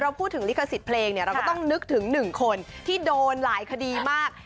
พูดถึงลิขสิทธิ์เพลงเนี่ยเราก็ต้องนึกถึง๑คนที่โดนหลายคดีมาก